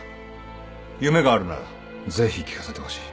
夢があるならぜひ聞かせてほしい